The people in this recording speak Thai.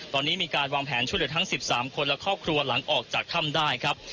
ตอนนี้มีการวางแผนช่วยเหลือทั้ง๑๓คนและครอบครัวหลังออกจากถ้ำได้ครับ